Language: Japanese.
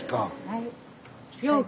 はい。